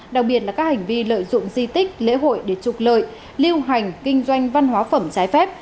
đặc biệt là các hành vi lợi dụng di tích lễ hội để trục lợi lưu hành kinh doanh văn hóa phẩm trái phép